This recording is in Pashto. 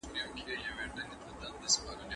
د انټرنیټ کارول د علم د پراختیا امکانات زیاتوي.